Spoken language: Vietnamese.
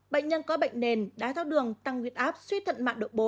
bệnh nhân có bệnh nền đái tháo đường tăng huyết áp suy thận mạng độ bốn